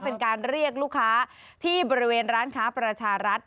เป็นการเรียกลูกค้าที่บริเวณร้านค้าประชารัฐ